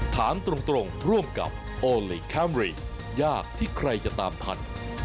ถามตรงร่วมกับโอลี่คัมรี่ยากที่ใครจะตามทัน